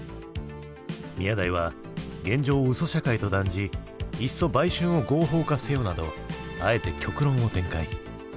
宮台は現状を嘘社会と断じ「いっそ売春を合法化せよ」などあえて極論を展開。